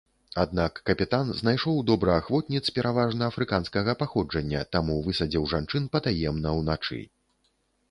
Аднак капітан знайшоў добраахвотніц пераважна афрыканскага паходжання, таму высадзіў жанчын патаемна ўначы.